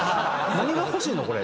何が欲しいの？